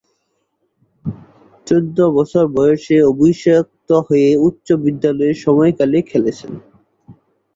চৌদ্দ বছর বয়সে দলে অভিষিক্ত হয়ে উচ্চ বিদ্যালয়ের সময়কালে খেলেছেন।